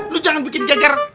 lu jangan bikin gegar